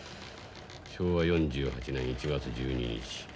昭和４８年１月１２日。